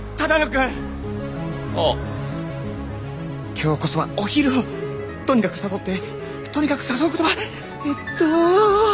今日こそはお昼をとにかく誘ってとにかく誘う言葉えっと。